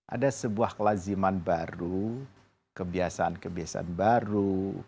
ada sebuah kelaziman baru kebiasaan kebiasaan baru